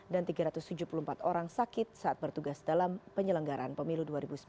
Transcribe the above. dan tiga ratus tujuh puluh empat orang sakit saat bertugas dalam penyelenggaran pemilu dua ribu sembilan belas